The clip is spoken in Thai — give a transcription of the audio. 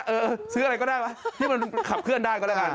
เออซื้ออะไรก็ได้ไหมที่มันขับเคลื่อนได้ก็แล้วกัน